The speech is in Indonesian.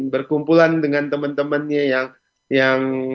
berkumpulan dengan teman temannya yang